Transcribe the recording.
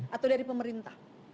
atau dari pemerintah